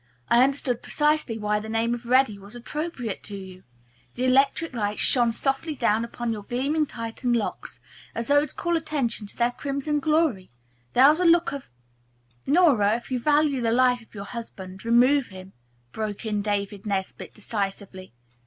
I understood precisely why the name of 'Reddy' was appropriate to you. The electric light shone softly down upon your gleaming Titian locks, as though to call attention to their crimson glory. There was a look of " "Nora, if you value the life of your husband, remove him," broke in David Nesbit decisively.